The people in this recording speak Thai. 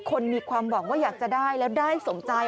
มีความหวังว่าอยากจะได้แล้วได้สมใจ